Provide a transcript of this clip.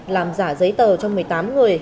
làm giả giấy tờ cho một mươi tám người